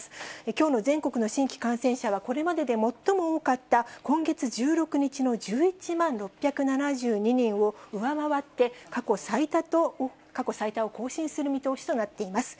きょうの全国の新規感染者は、これまでで最も多かった今月１６日の１１万６７２人を上回って過去最多を更新する見通しとなっています。